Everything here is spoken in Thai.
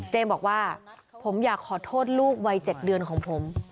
บอกว่าผมอยากขอโทษลูกวัย๗เดือนของผม